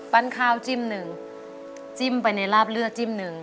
ข้าวจิ้มหนึ่งจิ้มไปในราบเลือดจิ้มหนึ่ง